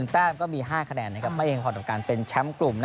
๑แต้มก็มี๕คะแนนไม่เดี๋ยวเป็นแชมป์กลุ่ม